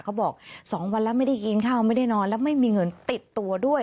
เขาบอก๒วันแล้วไม่ได้กินข้าวไม่ได้นอนแล้วไม่มีเงินติดตัวด้วย